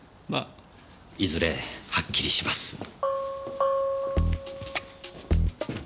まあいずれはっきりします。